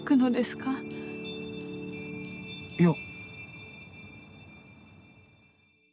いや。